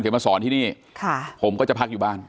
มาสอนที่นี่ผมก็จะพักอยู่บ้าน